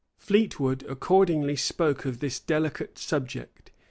[] Fleetwood accordingly spoke of this delicate subject.